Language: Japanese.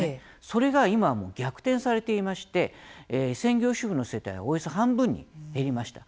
それが今はもう逆転されていまして専業主婦の世帯はおよそ半分に減りました。